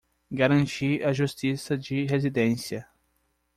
Garantir a justiça de residência